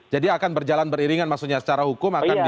jadi akan berjalan beriringan maksudnya secara hukum akan di